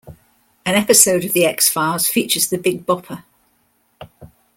An episode of "The X-Files" features the Big Bopper.